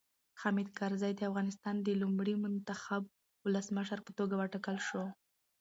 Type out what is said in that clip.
حامد کرزی د افغانستان د لومړي منتخب ولسمشر په توګه وټاکل شو.